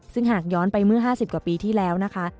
ซึ่งหากย้อนไปเมื่อ๕๐กว่าปีที่แล้วนะคะ